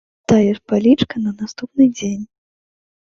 Тая ж палічка на наступны дзень.